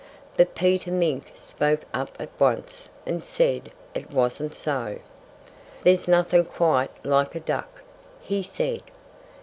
But Peter Mink spoke up at once and said it wasn't so. "There's nothing quite like a duck," he said.